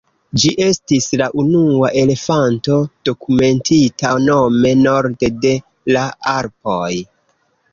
Ĝi estis la unua elefanto dokumentita nome norde de la Alpoj.